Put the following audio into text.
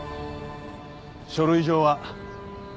書類上は。